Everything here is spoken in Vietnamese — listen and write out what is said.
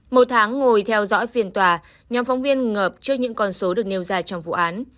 một tháng ngồi theo dõi phiên tòa nhóm phóng viên ngợp trước những con số được nêu ra trong vụ án